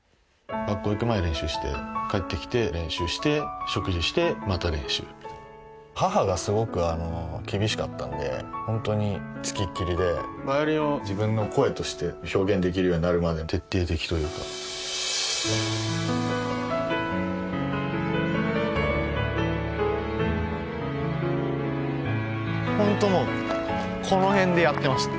学校行く前練習して帰ってきて練習して食事してまた練習母がすごく厳しかったのでホントにつきっきりでヴァイオリンを自分の声として表現できるようになるまで徹底的というかホントもうこの辺でやってました